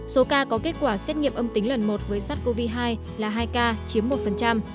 số ca có kết quả xét nghiệm âm tính lần một với sars cov hai là hai ca chiếm một